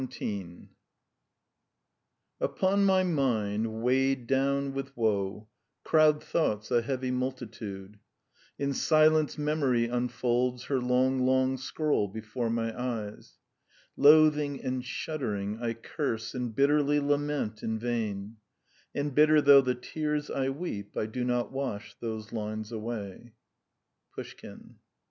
XVII "Upon my mind, weighed down with woe, Crowd thoughts, a heavy multitude: In silence memory unfolds Her long, long scroll before my eyes. Loathing and shuddering I curse And bitterly lament in vain, And bitter though the tears I weep I do not wash those lines away." PUSHKIN.